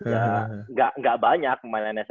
ya nggak banyak pemain nsa kayak gitu